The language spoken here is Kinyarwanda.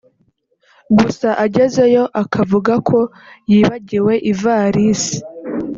Gusa agezeyo akavuga ko yibagiwe ivarisi